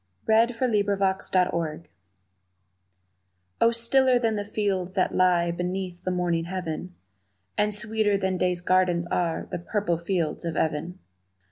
The Fields of Even O STILLER than the fields that lie Beneath the morning heaven, And sweeter than day's gardens are The purple fields of even!